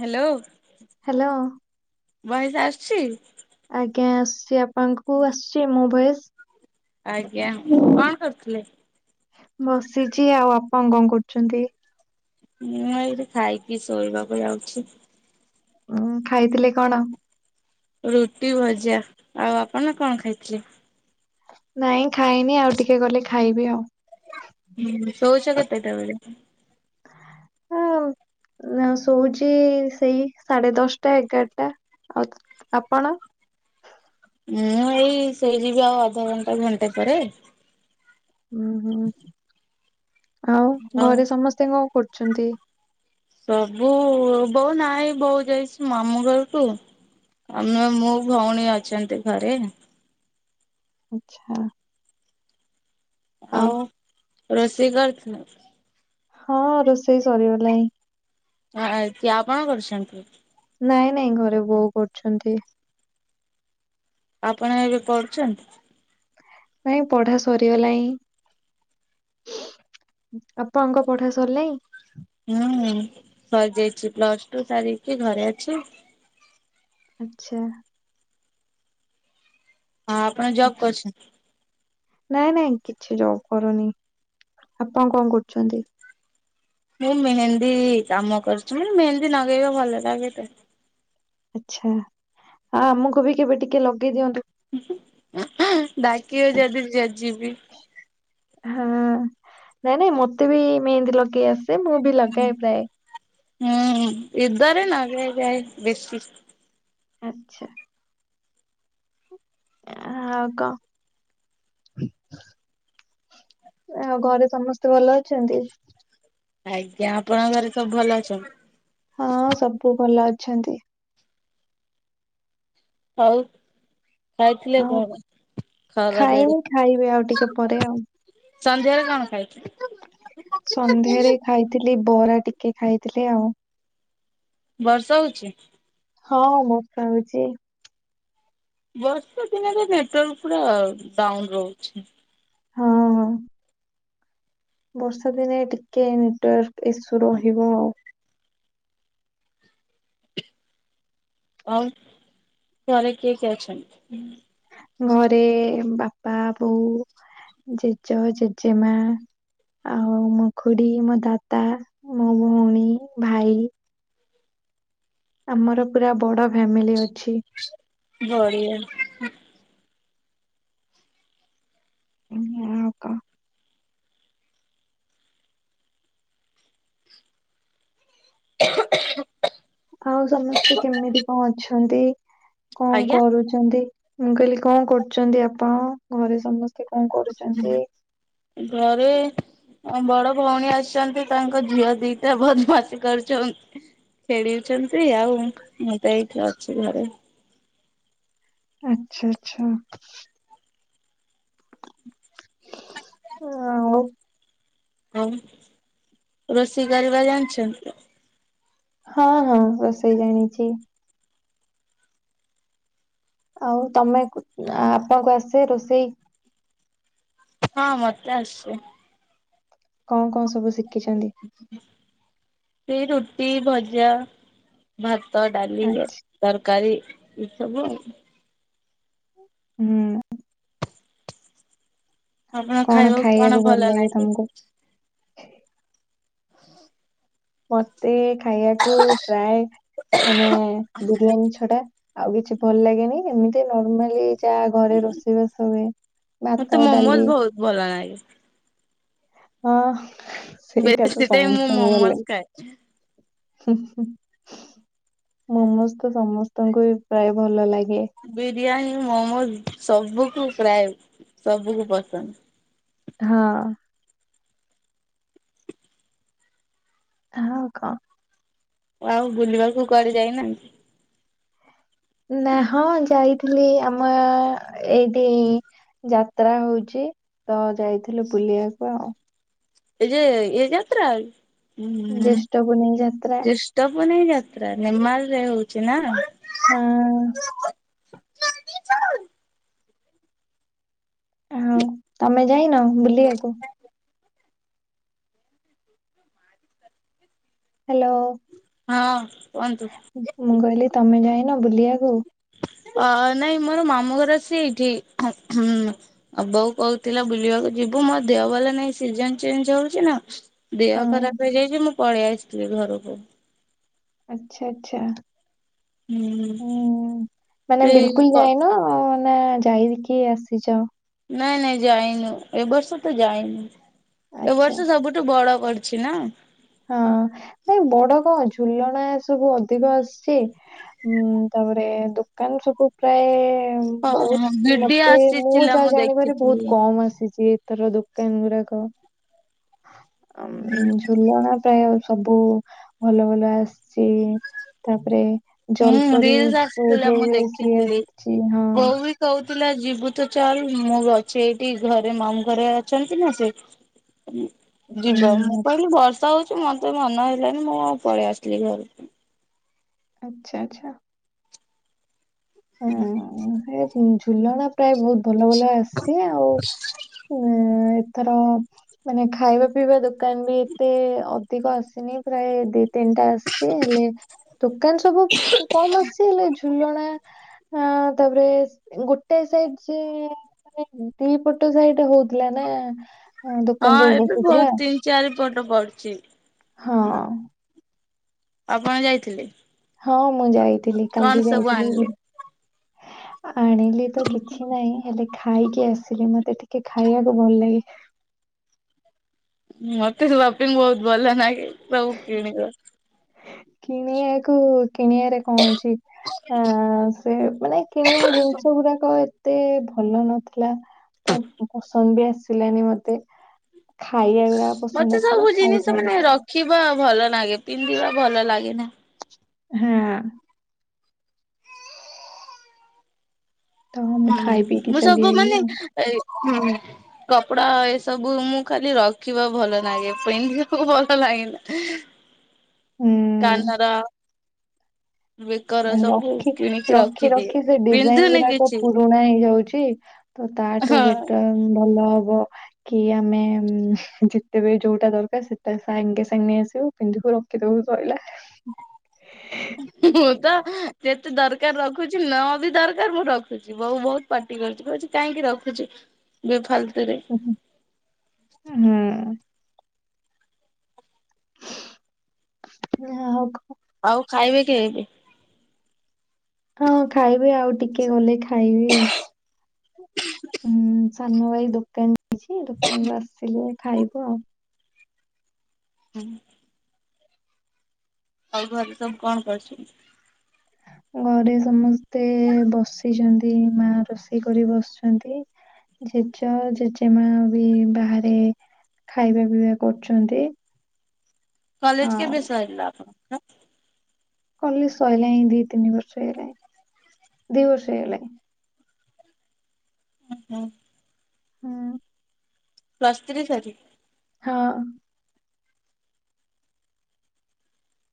Hello. Hello. Voice ଆସୁଛି। ଆଜ୍ଞା ଆସୁଛି ଆପଣଙ୍କୁ ଆସିୁଛି ମୋ ଭୟସ। ଆଜ୍ଞା କଣ କରୁଥିଲେ? ବସିଛି ଆଉ ଆପଣ କଣ କରୁଛନ୍ତି? ମୁଁ ଏଇଠି ଖାଇକି ଶୋଇବାକୁ ଯାଉଛି। ଉଁ ଖାଇଥିଲେ କଣ? ରୁଟି ଭଜା ଆଉ ଆପଣ କଣ ଖାଇଥିଲେ? ନାଇଁ ଖାଇନି ଆଉ ଟିକେ ଗଲେ ଖାଇବି ଆଉ। ହୁଁ ଶଉଛ କେତେ ଟା ବେଳେ? ହଁ। ଶୋଉଛି ସେଇ ସାଢେ ଦଶଟା ଏଗାରଟା ଆଉ। ଆପଣ। ମୁଁ ଏଇ ସେଇ ଯିବି ଆଉ ଅଧଘଣ୍ଟା ଘଣ୍ଟା ପରେ। ଉଁ ହୁଁ [inaudible] ଆଉ ଘରେ ସମସ୍ତେ କଣ କରୁଛନ୍ତି? ସବୁ ବୋଉ ନାହିଁ ବୋଉ ଯାଇଛି ମାମୁ ଘର କୁ। ଆମେ ମୁଁ ଭଉଣୀ ଅଛନ୍ତି ଘରେ। ଆଛା। ଆଉ ରୋଷେଇ କରିଥିଲ। ହଁ ରୋଷେଇ ସରିଗଲାଣିଁ। ହଁ ତି ଆଉ କଣ କରୁଛନ୍ତି? ନାଇଁ ନାଇଁ ଘରେ ବୋଉ କରୁଛନ୍ତି। ଆପଣ ଏବେ ପଢୁଛନ୍ତି। ନାଇଁ ପଢା ସରିଗଲାଣି। ଆପାଙ୍କ ପଢା ସରିଲାଣି। ହୁଁ ସରିଯାଇଛି ପ୍ଲସ ଟୁ ସାରିକି ଘରେ ଅଛି। ଆଛା। ହଁ ଆପଣ ଜବ୍ କରୁଛନ୍ତି। ନାଇଁ ନାଇଁ କିଛି ଜବ କରୁନି ଆପଣ କଣ କରୁଛନ୍ତି? ମୁଁ ମେହେନ୍ଦୀ କାମ କରୁଛି ମାନେ ମେହେନ୍ଦୀ ନଗେଇବା ଭଲ ଲାଗେ ତ। ଆଛା ହଁ ଆମକୁ ବି କେବେ ଟିକେ ଲଗେଇ ଦିଅନ୍ତୁ। ଡାକିବ ଯଦି ଯ ଯିବି। ହଁ ନାଇଁ ନାଇଁ ମତେ ବି ମେହେନ୍ଦୀ ଲଗେଇ ଆସେ ମୁଁ ବି ଲଗାଏ ପ୍ରାୟ। ହୁଁ ଏାରେ ନଗାଏ ଯାଏ ବେଶି। ଆଚ୍ଛା। ଆଉ କଣ? ଆଉ ଘରେ ସମସ୍ତେ ଭଲ ଅଛନ୍ତି। ଆଜ୍ଞା ଆପଣଙ୍କ ଘରେ ସବୁ ଭଲ ଅଛନ୍ତୀ। ହଁ ସବୁ ଭଲ ଅଛନ୍ତି। ହଉ। ଖାଇଥିଲେ ଆଉ କଣ ଖାଇନି ଖରାବେଳେ? ଖାଇବି ଆଉ ଟିକେ ପରେ ଆଉ। ସନ୍ଧ୍ୟାରେ କଣ ଖାଇଥିଲେ? ସନ୍ଧ୍ୟାରେ ଖାଇଥିଲି ବରା ଟିକେ ଖାଇଥିଲି ଆଉ। ବର୍ଷା ହଉଛି। ହଁ ହଁ ବର୍ଷା ହୋଉଚି। ବର୍ଷା ଦିନରେ ନେଟୱାର୍କ ପୁରା ଡାଉନ ରହୁଛି। ହଁ ହଁ! ବର୍ଷା ଦିନେ ଟିକେ ନେଟୱାର୍କ ଇସୁ ରହିବ ଆଉ। ଆଉ ଘରେ କିଏ କିଏ ଅଛନ୍ତି? ଘରେ ବାପା, ବୋଉ, ଜେଜ, ଜେଜେମା ଆଉ ମୋ ଖୁଡି, ମୋ ଦାଦା, ମୋ ଭଉଣୀ, ଭାଇ ଆମର ପୁରା ବଡ ଫ୍ୟାମିଲି ଅଛି। ବଢିଆ। ହଁ ଆ କା [inaudible] ଆଉ ସମସ୍ତେ କେମିତି କଁ ଅଛନ୍ତି କଁ ଆଜ୍ଞା କରୁଛ [unintelligible] ମୁଁ କହିଲି କଁ କରୁଚନ୍ତି ଆପଣ ଘରେ ସମସ୍ତେ କଁ କରୁଚନ୍ତି? ଘରେ ହ ବଡ ଭଉଣୀ ଅଛନ୍ତି। ତାଙ୍କ ଝିଅ ଦିଟା ବଦମାସୀ କରୁଚନ୍ ଖେଳିଅଛନ୍ତି ଆଉ ମୁଁ ମୁଁ ତ ଏଇଠି ଅଛି ଘରେ। ଆଛା ଆଚ୍ଛା। [unintelligible] ଆଉ ରୋଷେଇ କରିବା ଜାଣିଚ? ହଁ ହଁ ରୋଷେଇ ଜାଣିଚି। ଆଉ ତମେ ଆବା [unintelligible] ରୋଷେଇ। ହଁ ମତେ ଆସେ। କଣ କଣ ସବୁ ଶିଖିଚନ୍ତି? ଏଇ ରୁଟି, ଭଜା, ଭାତ, ଡାଲି। ଆଚ୍ଛା। ତରକାରୀ ଏଇ ସବୁ ଆଉ। ହୁଁ! ଆପଣଙ୍କୁ ଖାଇବାକୁ କଣ ଭଲ ଲାଗେ। ହ [inaudible] ମତେ ଖାଇବାକୁ ପ୍ରାଏ। ମାନେ ବିରିୟାନୀ ଛଡା ଆଉ କିଛି ଭଲ ଲାଗେନି ଏମିତି ନର୍ମାଲି ଚାଁ ଘରେ ରୋଷେଇ ବସେ ମତେ ଭାତ ମୋମୋଜ ଡାଲି। ବହୁତ ଭଲ ନାଇଁ। ହଁ ସେଇଟା ବେଶୀ ତ ଟାଇମ ମୁଁ ସମସ୍ତଙ୍କୁ ଭଲ ମୋମୋଜ ଲାଗେ। ଖାଏ। ହୁଁ ହୁଁ ନମସ୍ତେ [unintelligible] ତାଙ୍କୁ ଉଁ ପ୍ରାଏ ଭଲ ଲାଗେ। ବିରିୟାନୀ, ମୋମୋ ସବୁକୁ ପ୍ରାୟେ ସବୁକୁ ପସନ୍ଦ। ହଁ! ହଁ କ? ଆଉ ବୁଲିବାକୁ କୁଆଡେ ଯାଇନାହାନ୍ତି। ନା ହଁ ଯାଇଥିଲି ଆମ ଏଇଟି ଯାତ୍ରା ହଉଚି ତ ଯାଇଥିଲୁ ବୁଲିବାକୁ ଆଉ। ଏଯେ ଇଏ ଯାତ୍ରା। ହୁଁ ଜ୍ୟେଷ୍ଠ ପୁନେଇଁ ଯାତ୍ରା। ଜ୍ୟେଷ୍ଠ ପୁନେଇଁ ଯାତ୍ରା ନିର୍ମାଲରେ ହଉଚି ନା। ହଁ! ଆଉ ତମେ ଯାଇନ ବୁଲିବାକୁ। ହ୍ୟାଲୋ। ହଁ କୁହନ୍ତୁ। ଉମ୍ ମୁଁ କଇଲି ତମେ ଯାଇନ ବୁଲିବାକୁ? ଅ ନାଇଁ ମୋର ମାମୁଁ ଘର ଆସି ଏଇଠି ହୁଁ। ଆ ବୋଉ କହୁଥିଲା ବୁଲିବାକୁ ଯିବୁ ମୋ ଦେହ ଭଲ ନାଇଁ ସିଜିନ୍ ଚେଞ୍ଜ ହଉଚି ନା? ଦେହ ଖରାପ ହେଇଯାଇଚି ମୁଁ ପଳେଇ ଆସଥିଲି ଘରକୁ। ଆଚ୍ଛା ଆଚ୍ଛା ହୁଁ ଉଁ ମାନେ ସେଇ ବିଲକୁଲ୍ କ ଯାଏ ନା? ଅ ନା ଯାଇକି ଆସିଚ। ନାଇଁ ନାଇଁ ଯାଇନୁ ଏ ବର୍ଷ ତ ଯାଇନୁ ଏ ଆଚ୍ଛା ବର୍ଷ ସବୁ ଟୁ ବଡ କରିଚି ନା। ହଁ ନାଇ ବଡ କଁ ଝୁଲଣା ଏସବୁ ଅଧିକ ଆସଚି। ହୁଁ ତାପରେ ଦୋକାନ ସବୁ ପ୍ରାୟେ ବହୁତ୍ ହଁ ଭିଡିଓ ମତେ ମୁଁ ଆସିଥିଲା ଯାହା ଜାଣିବାରେ ଦେଖିଥିଲି ବହୁତ୍ କମ ଆସିଚି। [unintelligible] ଦୋକାନ ଗୁରାକ ଆମ୍ ଝୁଲଣା ପ୍ରାୟ ସବୁ ଭଲ ଭଲ ଆସଚି ତାପରେ ହୁଁ ଜଲପରି ରିଲସ ସୋ ଆସିଥିଲା ଯୋଉ ହୁଏ ସିଏ ଆସଚି ହଁ। କଉଥିଲା ଜିବୁତ ଚାଲ୍ ମୁଁ ଅଛି ଏଇଠି ଘରେ ମାମୁଁ ଘରେ ଅଛନ୍ତି ନା ସେ ଯିବ ମୁଁ ଉଁ, କଇଲି ବର୍ଷା ହଉଚି ମତେ ମନ ହେଲାନି ମୁଁ ଆଉ ପଳେଇ ଆସିଲି ଘରକୁ ଆଚ୍ଛା ଆଚ୍ଛା। ଆଁ ସେ ଝୁଲଣା ପ୍ରାୟ ବହୁତ୍ ଭଲ ଭଲ ଆସଚି ଆଉ ଉମ୍ ଏଥର ମାନେ ଖାଇବା ପିଇବା ଦୋକାନ ବି ଏତେ ଅଧିକ ଆସିନି ପ୍ରାୟେ ଦି ତିନଟା ଆସଚି ହେଲେ ଦୋକାନ ସବୁ କମ ଆସଚି ହେଲେ ଝୁଲଣା ଅଁ ତାପରେ ଗୋଟେ ସାଇଡ୍ ସିଏ ଦି ପଟ ସାଇଡ ହଉଥିଲା ନା ଦୋକାନ ସବୁ ବସୁଥିଲା। ଚାରିପଟ ପଡଚି। ହଁ। ଆପଣ ଯାଇଥିଲେ? ହଁ ମୁଁ ଯାଇଥିଲି କଣ କାଲି ସବୁ ଯାଇଥିଲି। ଆଣିଲେ? ଆଣିଲି ତ କିଛି ନାହିଁ ହେଲେ ଖାଇକି ଆସିଲି ମତେ ଟିକେ ଖାଇବାକୁ ଭଲ ଲାଗେ। ମତେ ସପିଙ୍ଗ୍ ବହୁତ୍ ଭଲ ନାଗେ ସବୁ କିଣିବା। କିଣିବାକୁ କିଣିଆରେ କଣ ଅଛି? ଚି ଆ ସେ ମାନେ କିଣିବା ଜିନିଷ ଗୁରାକ ଏତେ ଭଲ ନଥ୍ ଲା ତ ପସନ୍ଦ ବି ଆସିଲାନି ମତେ। ଖାଇବା ଗୁରା ପସନ୍ଦ ଆସିଲା ଖାଇ ଖାଇକି ବା ଭଲ ଲାଗେ ପିନ୍ଧିବା ଭଲ ଲାଗେ ନା। ହାଁ। ତ ମୁଁ ହୁଁ ଖାଇ ପିଇକି ମୁଁ ଚାଲି ସବୁ ଆଇଲି ମାନେ ଆଉ ଏ ହୁଁ। କପଡା ଏସବୁ ମୁଁ ଖାଲି ରଖିବା ଭଲ ନାଗେ ପିନ୍ଧିବାକୁ ଭଲ ଲାଗେନା। ହୁଁ କାନର ବେକର ସବୁ ରଖି କିଣିକି ରଖି ରଖିଦିଏ। ରଖି ସେ ଡିଜାଇନ୍ ପିନ୍ଧୁନି ଗୁରାକ କିଛି ପୁ ରୁଣା ହେଇଯାଉଛି ତ ତାଠୁ ହଁ ବେଟର ଭଲ ହବ କି ଆମେ ଯେତେବେ ଯୋଉଟା ଦରକାର ସେଟା ସାଙ୍ଗେ ସାଙ୍ଗେ ନେଆସିବୁ। [unintelligible] ରଖିଦବୁ ସଇଲା। [inaudible] ମୁଁ ତ ସେତେ ଦରକାର ରଖୁଚି ନ ବି ଦରକାର ମୁଁ ରଖୁଚି ବୋଉ ବହୁତ୍ ପାଟି କରୁଚି କଉଚି କାଇଁକି ରଖୁଚୁ ବେଫାଲତୁରେ? ହୁଁ। ୟା ହଉ କୁ ଆଉ ଖାଇବେ କି ଏବେ? ହଁ ଖାଇବି ଆଉ ଟିକେ ଗଲେ ଖାଇବି। [inaudible] ହୁଁ ସାନ ଭାଇ ଦୋକାନ ଯାଇଛି ଦୋକାନରୁୁ ଆସିଲେ ଖାଇବୁ ଆଉ। ହୁଁ। ଆଉ ଘରେ ସବୁ କଣ କରୁଛନ୍ତି? ଘରେ ସମସ୍ତେ ବସିଛନ୍ତି ମା ରୋଷେଇ କରି ବସିଛନ୍ତି। ଜେଜେ ଜେଜେମା ବି ବାହାରେ ଖାଇବା ପିଇବା କରୁଛନ୍ତି। କଲେଜ ଆଉ କେବେ ସରିଲା ଆପଣଙ୍କର? କଲି ସଇଲାଣି ଦି ତିନି ବର୍ଷ ହେଇଗଲାଣି ଦି ବର୍ଷ ହେଇଗଲାଣି। ହୁଁ ହୁଁ। ହୁଁ। ପ୍ଲୁସ ଥ୍ରୀ ସରି ହଁ।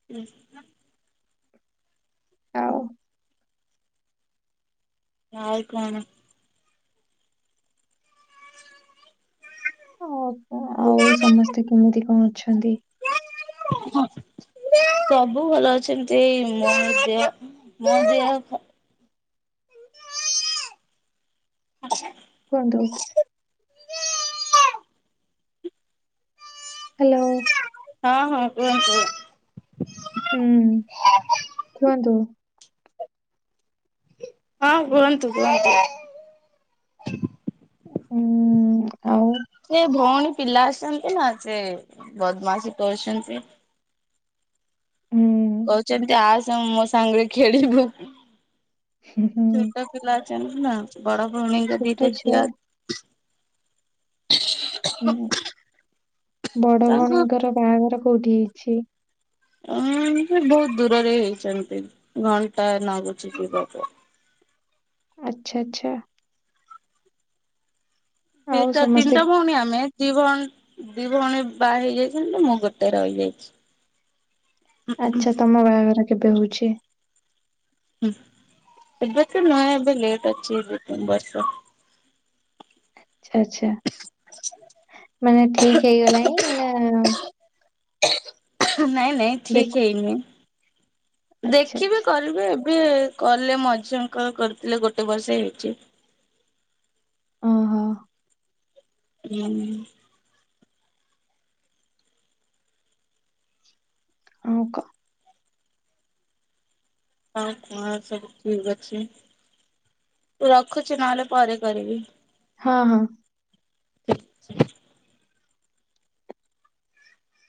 [inaudible] ଆଉ ଆଉ କଣ? ଓହୋ ଆଉ ସମସ୍ତେ କେମିତି କଣ ଅଛନ୍ତି? ସବୁ ଭଲ ଅଛନ୍ତି ମୋ ଦେହ ମୋ ଦେହ [inaudible] କୁହନ୍ତୁ। ହ୍ୟାଲୋ ହଁ ହଁ କୁହନ୍ତୁ। ହୁଁ କୁହନ୍ତୁ। ହଁ କୁହନ୍ତୁ କୁହନ୍ତୁ। ହୁଁ। ଆଉ ସେ ଭଉଣୀ ପିଲା ଆସିଛନ୍ତି ନା ସେ ବଦମାସ କରୁଛନ୍ତି। ଉଁ, କହୁଛନ୍ତି ଆସେ ମୋ ସାଙ୍ଗରେ ଖେଳିବୁ। ପିଲା ଅଛନ୍ତି ନା ବଡ ଭଉଣୀଙ୍କ ଛୋଟ ଦିଟା ଛୁଆ ଝିଅ ହୁଁ ବଡ ତାଙ୍କୁ ଭଉଣୀଙ୍କର ବାହାଘର କୋଉଠି ହେଇଛି? ଉଁ ସେ ବହୁତ ଦୂରରେ ହେଇଛନ୍ତି ଘଣ୍ଟାଏ ଲାଗୁଛି ଯିବାକୁ। ଆଚ୍ଛା ଆଚ୍ଛା। ଆଉ ଦିଟା ସମସ୍ତେ ତିନିଟା ଭଉଣୀ ଆମେ ଦିଭଣୀ ଦି ଭଉଣୀ ବାହା ହେଇଯାଇଛନ୍ତି ତ ମୁଁ ଗୋଟେ ରହିଯାଇଛି। ଆଛା ତମ ବାହାଘର କେବେ ହଉଛି? ହୁଁ ଏବେ ତ ନୁହେଁ ଏବେ ଲେଟ୍ ଅଛି ଏବେ ବୟସ ଆଛା ଆଛା ମାନେ ଠିକ ହେଇଗଲାଣିି ନା ନାଇଁ ନାଇଁ ଠିକ୍ ଦେଖୁ ହେଇନି। ଆଚ୍ଛା ଦେଖିବି ଆଚ୍ଛା କରିବି ଏବେ କଲେ ମଝିଙ୍କ କରିଥିଲେ ଗୋଟେ ବର୍ଷେ ହେଇଛି। ଓହୋ। [inaudible] ହଁ କ। ରଖୁଛି ନ ହେଲେ ପରେ କରିବି। ହଁ ହଁ।